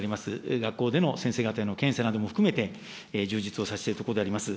学校での先生方への検査なども含めて、充実をさせているところであります。